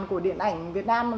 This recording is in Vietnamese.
của điện ảnh việt nam